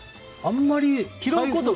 あんまり。